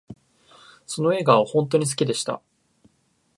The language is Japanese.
その笑顔が本とに大好きでした